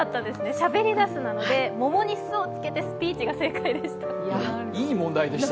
しゃべりだすなので、桃にスをつけて、スピーチでした。